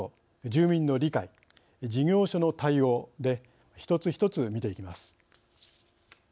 住民の理解事業所の対応で一つ一つ見ていきます。